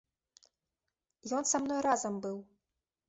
Ён са мной разам быў.